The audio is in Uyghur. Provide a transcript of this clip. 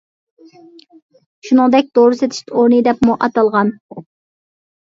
شۇنىڭدەك «دورا سېتىش ئورنى» دەپمۇ ئاتالغان.